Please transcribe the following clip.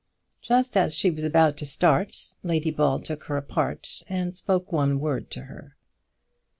Just as she was about to start Lady Ball took her apart and spoke one word to her.